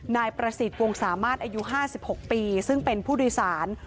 นายประสิทธิ์วงสามารถอายุ๕๖ปีซึ่งเป็นผู้โดยสาร